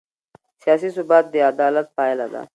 سیاسي ثبات د عدالت پایله ده